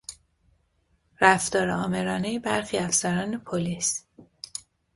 رفتار آمرانهی برخی افسران پلیس